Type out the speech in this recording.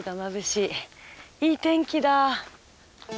いい天気だ。